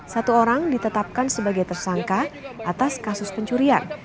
satu orang ditetapkan sebagai tersangka atas kasus pencurian